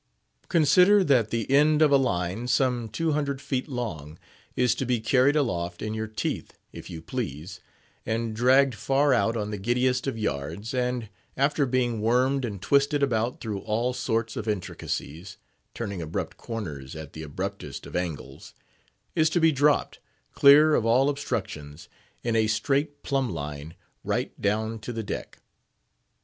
Consider that the end of a line, some two hundred feet long, is to be carried aloft, in your teeth, if you please, and dragged far out on the giddiest of yards, and after being wormed and twisted about through all sorts of intricacies—turning abrupt corners at the abruptest of angles—is to be dropped, clear of all obstructions, in a straight plumb line right down to the deck.